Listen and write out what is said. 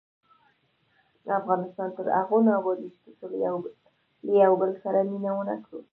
افغانستان تر هغو نه ابادیږي، ترڅو له یو بل سره مینه ونه کړو.